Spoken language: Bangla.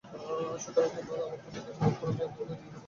সুতরাং তোমরা আমার প্রতি দোষারোপ করো না, তোমরা নিজেদের প্রতি দোষারোপ কর।